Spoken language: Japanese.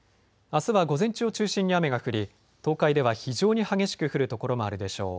あすは午前中を中心に雨が降り東海では非常に激しく降る所もあるでしょう。